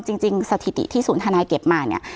สถิติที่ศูนย์ธนายเก็บมาเนี่ย